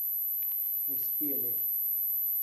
успели